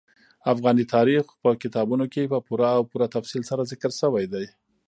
افغاني تاریخ په کتابونو کې په پوره او پوره تفصیل سره ذکر شوی دي.